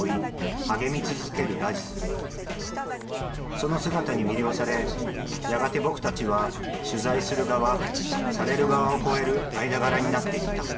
その姿に魅了されやがて僕たちは取材する側される側を超える間柄になっていった。